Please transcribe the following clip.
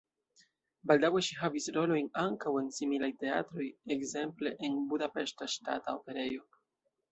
Baldaŭe ŝi havis rolojn ankaŭ en similaj teatroj, ekzemple en Budapeŝta Ŝtata Operejo.